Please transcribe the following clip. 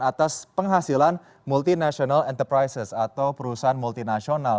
atas penghasilan multinational enterprises atau perusahaan multinasional